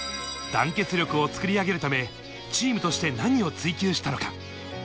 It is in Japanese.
団結力を作り上げるため、チームとして何を追求したのか。